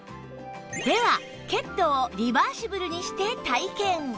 ではケットをリバーシブルにして体験